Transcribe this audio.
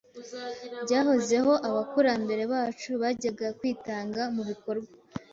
byahozeho. Abakurambere bacu bajyaga kwitanga mu bikorwa